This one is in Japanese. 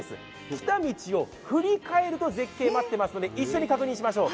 来た道を振り返ると絶景が待っていますので一緒に振り返りましょう。